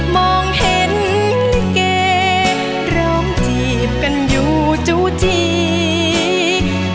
มองเห็นแกร้องจีบกันอยู่จู่จี